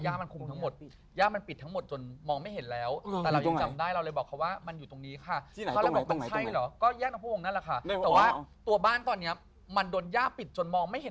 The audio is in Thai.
ห้ามบุกลุกห้ามอะไรอย่างนี้